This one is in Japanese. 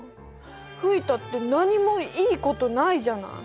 吹いたって何もいいことないじゃない。